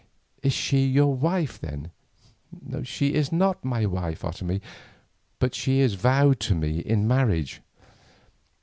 "Is she your wife then?" "She is not my wife, Otomie, but she is vowed to me in marriage."